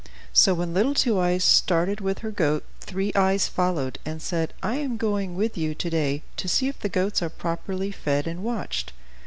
So when little Two Eyes started with her goat, Three Eyes followed and said, "I am going with you to day, to see if the goats are properly fed and watched."